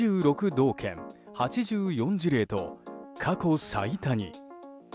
道県８４事例と過去最多に。